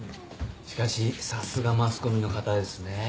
しかしさすがマスコミの方ですね。